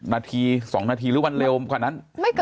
นาที๒นาทีหรือวันเร็วกว่านั้น